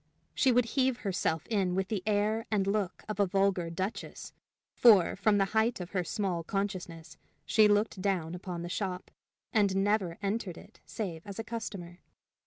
She would heave herself in with the air and look of a vulgar duchess; for, from the height of her small consciousness, she looked down upon the shop, and never entered it save as a customer.